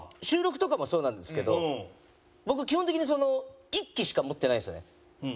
収録とかもそうなんですけど僕基本的に１機しか持ってないんですよね。